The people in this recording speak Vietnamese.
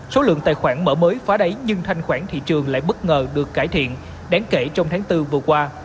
số lượng tài khoản mở mới phá đáy nhưng thanh khoản thị trường lại bất ngờ được cải thiện đáng kể trong tháng bốn vừa qua